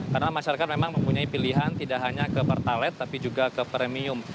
karena masyarakat memang mempunyai pilihan tidak hanya ke pertalite tapi juga ke premium